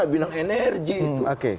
bidang energi itu